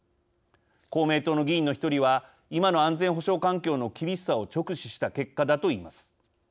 公明党の議員の一人は「今の安全保障環境の厳しさを直視した結果だ」と言います。